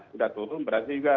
sudah turun berarti juga